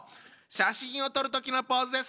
写真をとるときのポーズです！